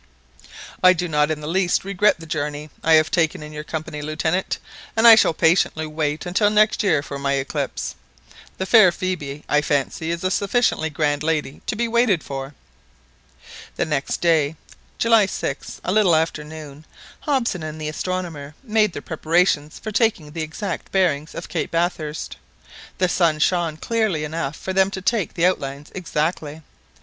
"I do not in the least regret the journey I have taken in your company, Lieutenant, and I shall patiently wait until next year for my eclipse. The fair Phœbe, I fancy, is a sufficiently grand lady to be waited for." The next day, July 6th, a little after noon, Hobson and the astronomer made their preparations for taking the exact bearings of Cape Bathurst. The sun shone clearly enough for them to take the outlines exactly.